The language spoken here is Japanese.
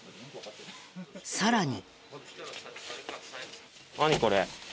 さらに。